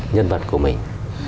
nhân vật của mình